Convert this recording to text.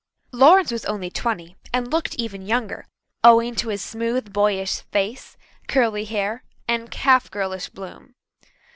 Lawrence was only twenty, and looked even younger, owing to his smooth, boyish face, curly hair, and half girlish bloom.